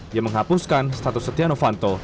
yang menghapuskan status setia novanto